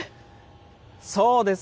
そうです。